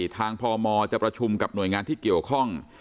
พมจะประชุมกับหน่วยงานที่เกี่ยวข้อง